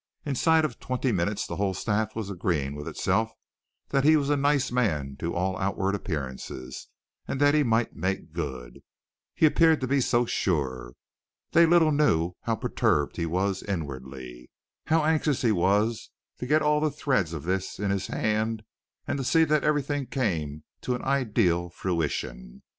Inside of twenty minutes the whole staff was agreeing with itself that he was a nice man to all outward appearances and that he might make good. He appeared to be so sure. They little knew how perturbed he was inwardly, how anxious he was to get all the threads of this in his hand and to see that everything came to an ideal fruition.